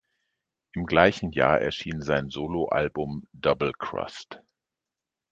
Im gleichen Jahr erschien sein Solo-Album "Double Crossed".